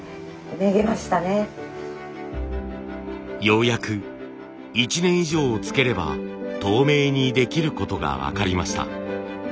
ようやく１年以上つければ透明にできることが分かりました。